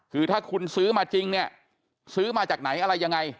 คือถ้าคุณซื้อมาจริงเนี่ยซื้อมาจากไหนอะไรยังไง